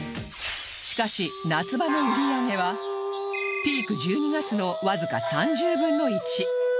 しかし夏場の売り上げはピーク１２月のわずか３０分の１